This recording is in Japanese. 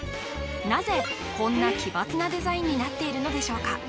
なぜこんな奇抜なデザインになっているのでしょうか